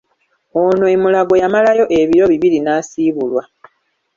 Ono e Mulago yamalayo ebiro bbiri n'asiibulwa.